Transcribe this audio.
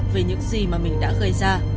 về những gì mà mình đã gây ra